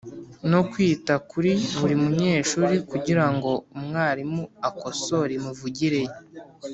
no kwita kuri buri munyeshuri kugira ngo umwarimu akosore imivugire ye,